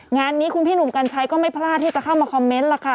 งานนี้คุณพี่หนุ่มกัญชัยก็ไม่พลาดที่จะเข้ามาคอมเมนต์ล่ะค่ะ